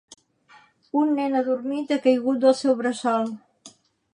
Un nen adormit ha caigut del seu bressol.